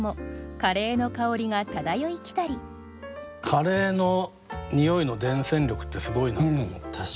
カレーのにおいの伝染力ってすごいなって思って。